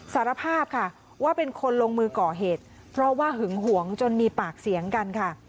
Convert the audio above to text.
สารภาพค่ะว่าเป็นคนลงมือก่อเหตุเพราะว่าหึงหวงจนมีปากเสียงกันค่ะ